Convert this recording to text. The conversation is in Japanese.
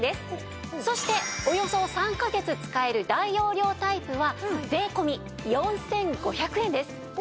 そしておよそ３カ月使える大容量タイプは税込４５００円です。